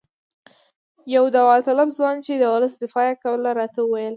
یو داوطلب ځوان چې د ولس دفاع یې کوله راته وویل.